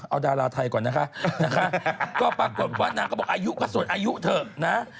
เอาดาราไทยก่อนนะคะก็ปรากฏว่านางก็บอกอายุก็ส่วนอายุเถอะนะ